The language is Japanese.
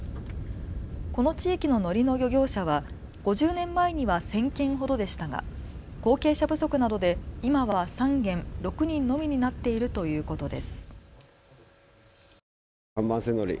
この地域ののりの漁業者は５０年前には１０００軒ほどでしたが後継者不足などで今は３軒、６人のみになっているということです。